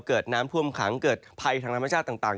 เกิดน้ำท่วมขังเกิดภัยทางธรรมชาติต่าง